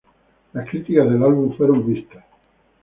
Las críticas del álbum fueron mixtas.